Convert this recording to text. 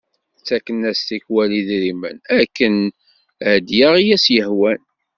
Ttaken-as tikwal idrem akken ad yaɣ i as-yehwan.